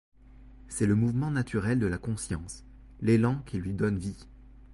C’est le mouvement naturel de la conscience, l’élan qui lui donne vie.